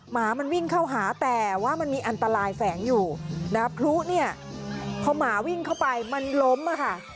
หมามันวิ่งเข้าหาแต่ว่ามันมีอันตรายแฝงอยู่นะพลุเนี่ยพอหมาวิ่งเข้าไปมันล้มอ่ะค่ะ